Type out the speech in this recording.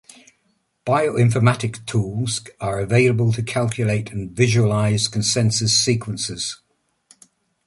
Bioinformatics tools are able to calculate and visualize consensus sequences.